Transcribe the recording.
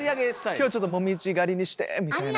今日ちょっともみじがりにしてみたいな。